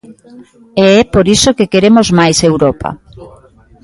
E é por iso que queremos máis Europa.